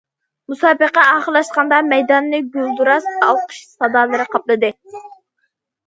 مۇسابىقە ئاخىرلاشقاندا مەيداننى گۈلدۈراس ئالقىش سادالىرى قاپلىدى.